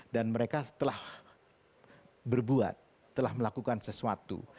dan mereka telah berbuat telah melakukan sesuatu